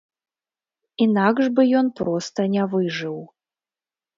Інакш бы ён проста не выжыў.